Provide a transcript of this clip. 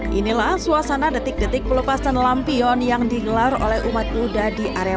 hai inilah suasana detik detik pelepasan lampion yang digelar oleh umat muda di area